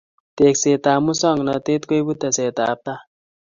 tekset tab musongnotet koibu teset tab tai